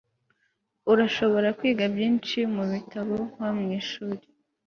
urashobora kwiga byinshi mubitabo nko mwishuri